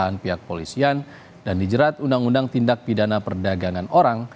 pemeriksaan pihak polisian dan dijerat undang undang tindak pidana perdagangan orang